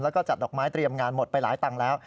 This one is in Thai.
แล้วก็จัดดอกไม้เตรียมงานหมดไปหลายตังค์แล้ว